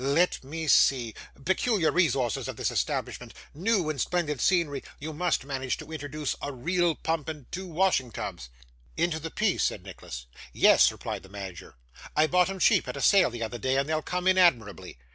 'Let me see peculiar resources of this establishment new and splendid scenery you must manage to introduce a real pump and two washing tubs.' 'Into the piece?' said Nicholas. 'Yes,' replied the manager. 'I bought 'em cheap, at a sale the other day, and they'll come in admirably.